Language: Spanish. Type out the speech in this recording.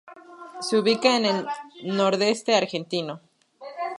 Se ubica en el nordeste argentino.